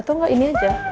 atau enggak ini aja